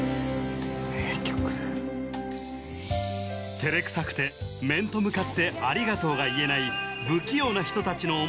照れくさくて面と向かってありがとうが言えないしてくれる